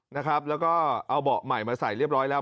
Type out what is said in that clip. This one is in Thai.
นะครับแล้วก็เอาเบาะใหม่มาใส่เรียบร้อยแล้ว